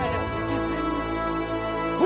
aku mohon kepadamu